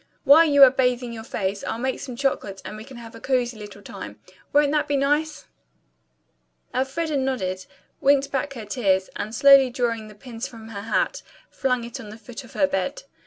While you are bathing your face, I'll make some chocolate and we'll have a cozy little time. Won't that be nice?" Elfreda nodded, winked back her tears, and slowly drawing the pins from her hat, flung it on the foot of her bed.